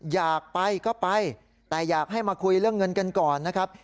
อยากไปก็ไปแต่อยากให้มาคุยเรื่องเงินกันก่อนนะครับ